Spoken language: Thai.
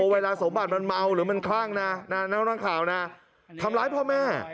เวลาสมบัติมันเมาหรือมันคลั่งนั่งข่าวทำร้ายพ่อแม่